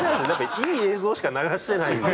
いい映像しか流してないんで。